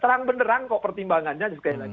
terang beneran kok pertimbangannya